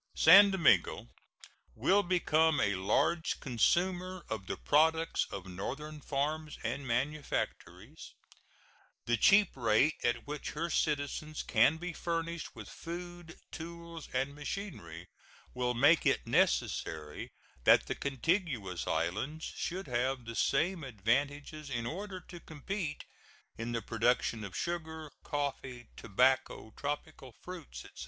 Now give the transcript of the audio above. San Domingo will become a large consumer of the products of Northern farms and manufactories. The cheap rate at which her citizens can be furnished with food, tools, and machinery will make it necessary that the contiguous islands should have the same advantages in order to compete in the production of sugar, coffee, tobacco, tropical fruits, etc.